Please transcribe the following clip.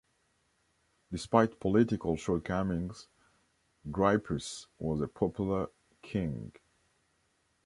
Despite political shortcomings, Grypus was a popular king.